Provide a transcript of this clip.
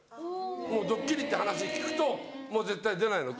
もうドッキリって話聞くともう絶対出ないの。